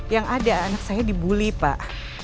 yang ada anak saya dibully pak